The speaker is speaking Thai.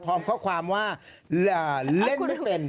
พร้อมข้อความว่าเล่นไม่เป็น